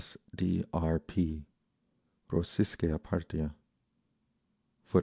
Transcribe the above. S. D. R. P." (Rossiskaya Partia).